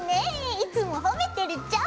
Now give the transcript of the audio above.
いつも褒めてるじゃん。